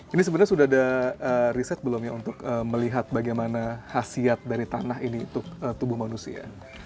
ini sebenarnya sudah ada riset belum ya untuk melihat bagaimana hasil dari tanah ini untuk tubuh manusia